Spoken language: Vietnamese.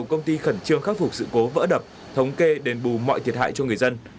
công ty khẩn trương khắc phục sự cố vỡ đập thống kê đền bù mọi thiệt hại cho người dân